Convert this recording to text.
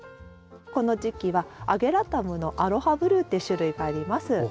この時期はアゲラタムの‘アロハブルー’って種類があります。